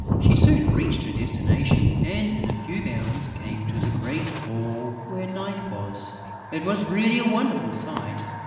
She soon reached her destination and, in a few bounds, came to the great hall where Night was. It was really a wonderful sight.